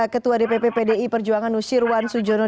ketua dpp pdi perjuangan nusirwan sujono